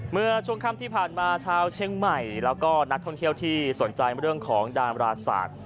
เมื่อช่วงค่ำที่ผ่านมาชาวเชียงใหม่แล้วก็นักท่องเที่ยวที่สนใจเรื่องของดามราศาสตร์